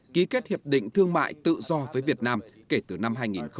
ký kết hiệp định thương mại tự do với việt nam kể từ năm hai nghìn một mươi